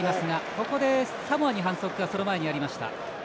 ここでサモアに反則がありました。